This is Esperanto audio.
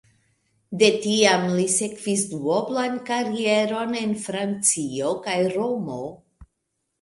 De tiam li sekvis duoblan karieron en Francio kaj Romo.